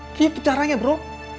iya itu caranya bro